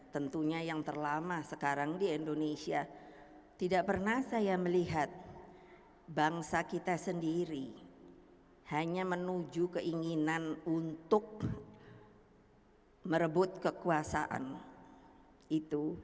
saya sendiri hanya menuju keinginan untuk merebut kekuasaan itu